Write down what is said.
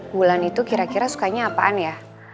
bulan itu kira kira sukanya apaan ya